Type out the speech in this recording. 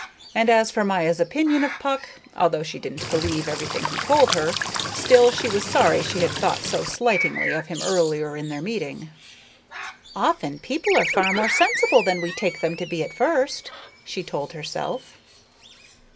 And as for Maya's opinion of Puck, although she didn't believe everything he told her, still she was sorry she had thought so slightingly of him earlier in their meeting. "Often people are far more sensible than we take them to be at first," she told herself.